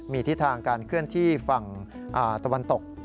มีทิศทางการเคลื่อนที่ฝั่งตะวันตก